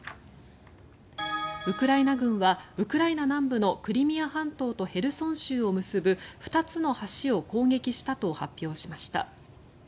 ウクライナ軍はウクライナ南部のクリミア半島とヘルソン州を結ぶ２つの橋を攻撃したと発表しました。